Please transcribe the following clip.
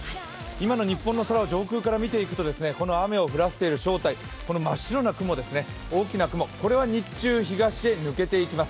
今の日本の空を上空から見ていくとこの真っ白な雲、大きな雲、これは日中、東へ抜けていきます。